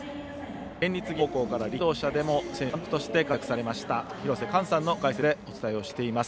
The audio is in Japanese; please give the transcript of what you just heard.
県立岐阜高校から立教大学、トヨタ自動車でも選手・監督として活躍されました廣瀬寛さんの解説でお伝えをしています。